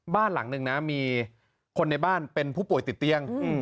บ้านหลังหนึ่งนะมีคนในบ้านเป็นผู้ป่วยติดเตียง